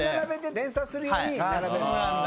連鎖するように並べる。